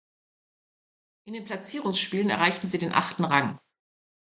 In den Platzierungsspielen erreichten sie den achten Rang.